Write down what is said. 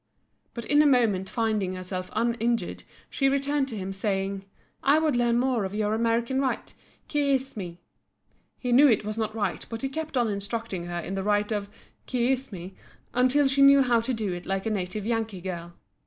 But in a moment finding herself uninjured she returned to him, saying "I would learn more of your American rite, kee es me." He knew it was not right but he kept on instructing her in the rite of "kee es me" until she knew how to do it like a native Yankee girl.